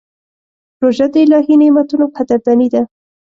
روژه د الهي نعمتونو قدرداني ده.